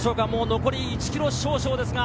残り１ｋｍ少々。